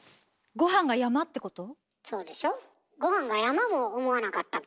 「ごはんが山」も思わなかったっけ？